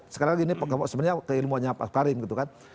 sekarang ini sebenarnya kehilmuannya pak karim gitu kan